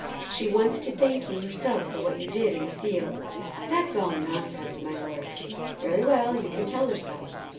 She wants to thank you herself for what you did in the field." "That's all nonsense, my lord." "Very well; you can tell her so.